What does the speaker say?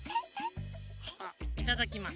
いただきます。